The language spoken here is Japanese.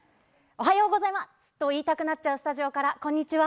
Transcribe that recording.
おはようございますと言いたくなっちゃうスタジオから、こんにちは。